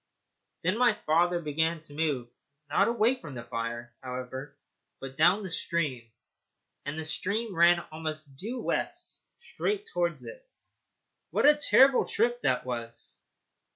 Then my father began to move, not away from the fire, however, but down the stream, and the stream ran almost due west straight towards it. What a terrible trip that was!